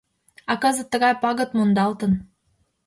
А кызыт тыгай пагыт мондалтын.